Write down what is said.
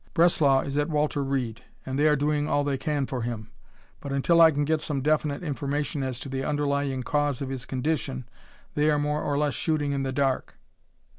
Breslau is at Walter Reed and they are doing all they can for him, but until I can get some definite information as to the underlying cause of his condition, they are more or less shooting in the dark."